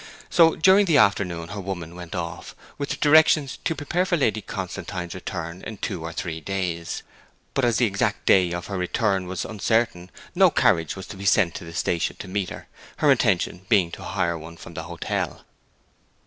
So during the afternoon her woman went off, with directions to prepare for Lady Constantine's return in two or three days. But as the exact day of her return was uncertain no carriage was to be sent to the station to meet her, her intention being to hire one from the hotel.